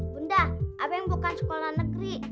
bunda abang bukan sekolah negeri